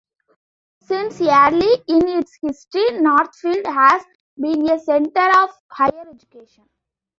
Since early in its history, Northfield has been a center of higher education.